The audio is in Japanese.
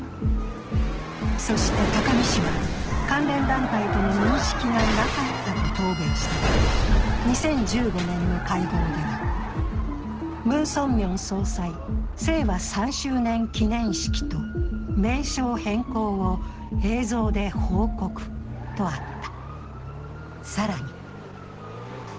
そして、高見氏は関連団体との認識がなかったと答弁したが２０１５年の会合では、ムン・ソンミョン総裁聖和３周年記念式と名称変更を映像で報告とあった。